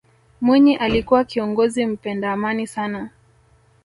mwinyi alikuwa kiongozi mpenda amani sana